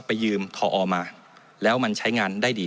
ไปยืมทอมาแล้วมันใช้งานได้ดี